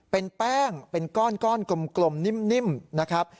เป็นแป้งเป็นก้อนกลมนิ่มนะครับ